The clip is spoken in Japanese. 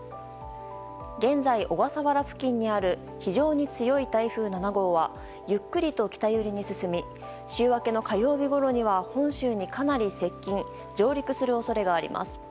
現在、小笠原付近にある非常に強い台風７号はゆっくりと北寄りに進み週明けの火曜日ごろには本州にかなり接近・上陸する恐れがあります。